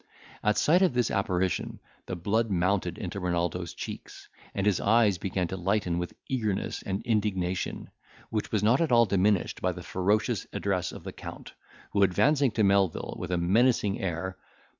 At sight of this apparition, the blood mounted into Renaldo's cheeks, and his eyes began to lighten with eagerness and indignation; which was not at all diminished by the ferocious address of the Count, who advancing to Melvil, with a menacing air.